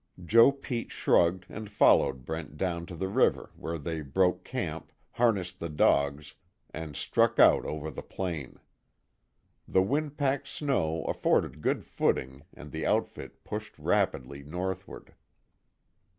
Joe Pete shrugged and followed Brent down to the river where they broke camp, harnessed the dogs, and struck out over the plain. The wind packed snow afforded good footing and the outfit pushed rapidly northward.